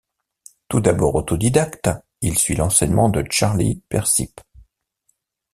Tout d'abord autodidacte, il suit l'enseignement de Charlie Persip.